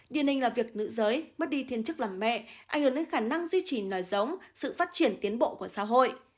điển hình là việc nữ giới mất đi thiên chức làm mẹ ảnh hưởng đến khả năng duy trì nòi giống sự phát triển tiến bộ của xã hội